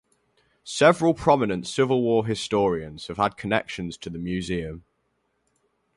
Several prominent Civil War historians have had connections to the museum.